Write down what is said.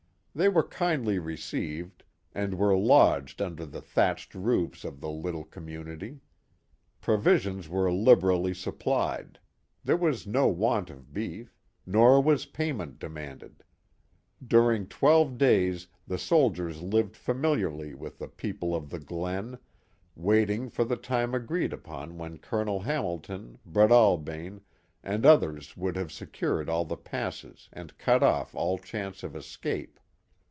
They were kindly received, and were lodged under the thatched roofs of the little community. Provisions were liberally supplied ; there was no want of beef; nor was payment demanded. During twelve days the soldiers lived familiarly with the people of the glen, waiting for the time agreed upon when Colonel Hamilton, Breadalbane, and others would have secured all the passes and cut off all chance of escape.